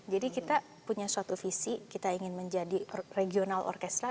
jadi kita punya suatu visi kita ingin menjadi regional orchestra